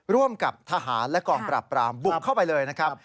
ร่วมกับทหารและกองปราบปรามบุกเข้าไปเลยนะครับ